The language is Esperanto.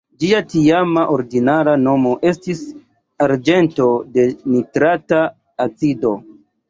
Ĝia tiama ordinara nomo estis arĝento de nitrata acido.